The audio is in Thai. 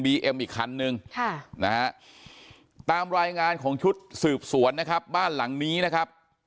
เอ็มอีกคันนึงค่ะนะฮะตามรายงานของชุดสืบสวนนะครับบ้านหลังนี้นะครับ